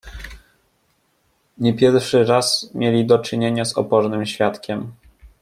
"Nie pierwszy raz mieli do czynienia z opornym świadkiem."